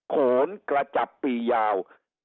โขนกระจับปียาว